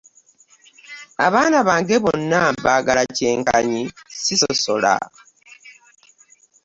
Abaana bange bonna mbaagala kyenkanyi sisosola.